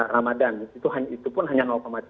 ramadan itu pun hanya tiga puluh dua